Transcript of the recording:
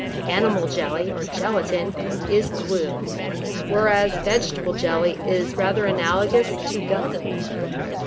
Animal jelly, or gelatine, is glue, whereas vegetable jelly is rather analogous to gum.